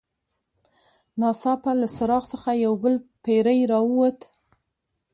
ناڅاپه له څراغ څخه یو بل پیری راووت.